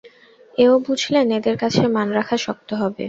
এও বুঝলেন, এদের কাছে মান রাখা শক্ত হবে।